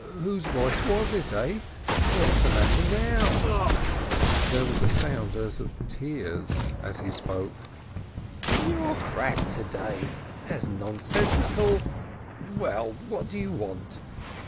Whose voice was it? eh ? What is the matter now ?" There was a sound as of tears as he spoke. "You're cracked to day ! As nonsensical — Well, what do you want?"